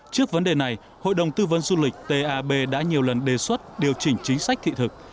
trước vấn đề này hội đồng tư vấn du lịch tab đã nhiều lần đề xuất điều chỉnh chính sách thị thực